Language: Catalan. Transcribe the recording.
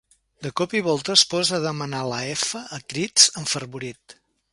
De cop i volta es posa a demanar la efa a crits, enfervorit.